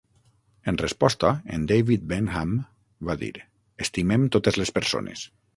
En resposta, en David Benham va dir: "Estimem totes les persones".